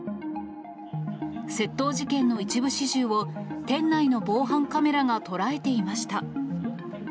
窃盗事件の一部始終を店内の防犯カメラが捉えていました。